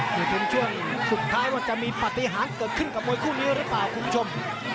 นี่เป็นช่วงสุดท้ายว่าจะมีปฏิหารเกิดขึ้นกับมวยคู่นี้หรือเปล่าคุณผู้ชม